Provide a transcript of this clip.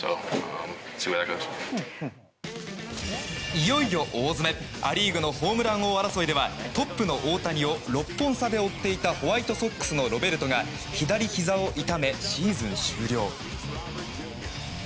いよいよ大詰めア・リーグのホームラン王争いではトップの大谷を６本差で追っていたホワイトソックスのロベルトが左ひざを痛め、シーズン終了。